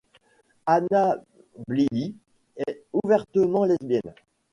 Hannah Blilie est ouvertement lesbienne.